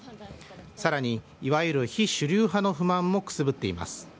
さらに、いわゆる非主流派の不満もくすぶっています。